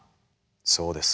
そうです。